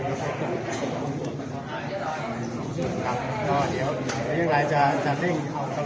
อย่างไรจะเร่ง